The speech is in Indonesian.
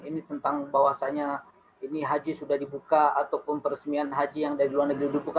ini tentang bahwasannya ini haji sudah dibuka ataupun peresmian haji yang dari luar negeri dibuka